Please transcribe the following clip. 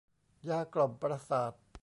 ยากล่อมประสาท